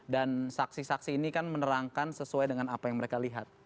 dan saksi saksi ini kan menerangkan sesuai dengan apa yang mereka lihat